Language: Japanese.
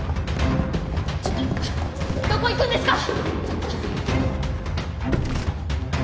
ちょっとどこ行くんですか？